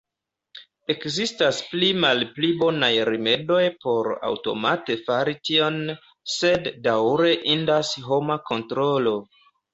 Ekzistas pli malpli bonaj rimedoj por aŭtomate fari tion, sed daŭre indas homa kontrolo.